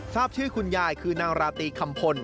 ทราบชื่อคุณยายคือนางราตรีคำพล